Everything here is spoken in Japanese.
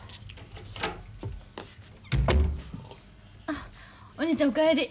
あっお兄ちゃんお帰り。